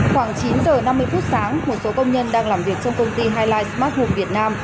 khoảng chín giờ năm mươi phút sáng một số công nhân đang làm việc trong công ty hili smart home việt nam